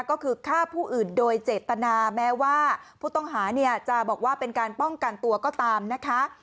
ก็คือฆ่าผู้อื่นโดยเจตนาแม้ว่าผู้ต้องหาเนี่ยจะบอกว่าเป็นการป้องกันตัวก็ตามนะคะ